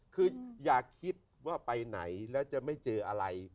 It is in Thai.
คืออย่าคิดว่าไปไหนแล้วจะไม่เจออะไร